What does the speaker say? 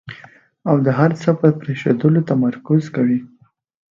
او د هر څه په پېژندلو تمرکز کوي.